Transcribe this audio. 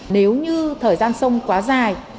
nếu như thời gian sông quá dài